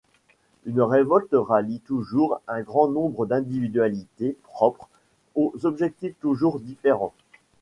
Une révolte rallie toujours un grand nombre d’individualités propres, aux objectifs toujours différents.